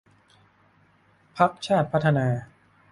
พรรคชาติพัฒนา